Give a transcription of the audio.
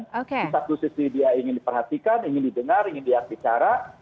di satu sisi dia ingin diperhatikan ingin didengar ingin diajak bicara